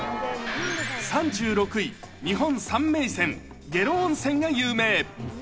３６位、日本三名泉、下呂温泉が有名。